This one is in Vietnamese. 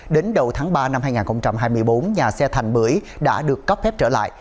đến đầu tháng ba năm hai nghìn hai mươi bốn nhà xe thành bưởi đã được cấp phép trở lại